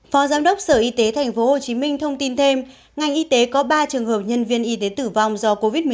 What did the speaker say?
phó giám đốc sở y tế tp hcm thông tin thêm ngành y tế có ba trường hợp nhân viên y tế tử vong do covid một mươi chín